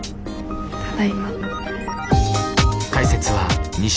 ただいま。